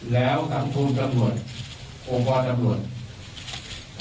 แล้วทั้งทุนกรรมรวจองค์กรตำรวจ